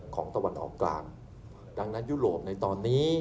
ตะวันออกกลางดังนั้นยุโรปในตอนนี้